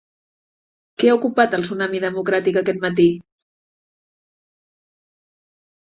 Què ha ocupat el Tsunami Democràtic aquest matí?